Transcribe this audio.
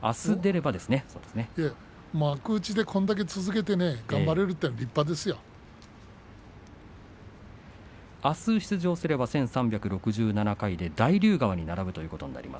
幕内でこれだけ続けてあす出場すれば１３６７回で大竜川に並びます。